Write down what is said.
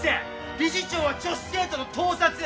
理事長は女子生徒の盗撮！